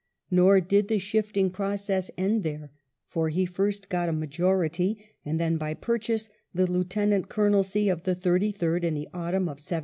Nor did the shifting process end there, for he first got a majority, and then, by purchase, the lieutenant colonelcy of the Thirty third in the autumn of 1793.